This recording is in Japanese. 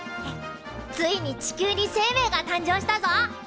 ついに地球に生命が誕生したぞ！